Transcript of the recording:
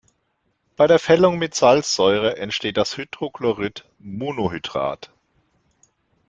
Bei der Fällung mit Salzsäure entsteht das Hydrochlorid-Monohydrat.